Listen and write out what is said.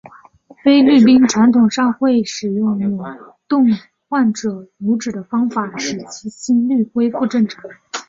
菲律宾传统上会使用扭动患者拇趾的方法使其心律恢复正常。